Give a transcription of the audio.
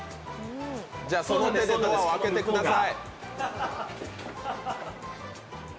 じゃあ、その手でドアを開けてください